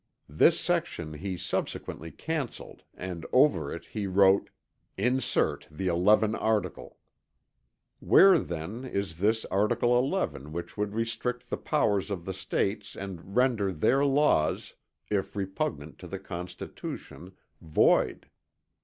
This section he subsequently cancelled and over it he wrote, "Insert the 11 article." Where then is this article 11 which would restrict the powers of the States and render their laws, if repugnant to the Constitution, void?